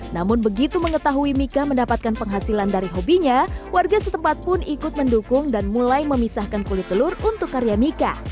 namun begitu mengetahui mika mendapatkan penghasilan dari hobinya warga setempat pun ikut mendukung dan mulai memisahkan kulit telur untuk karya mika